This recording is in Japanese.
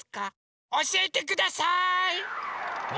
おしえてください！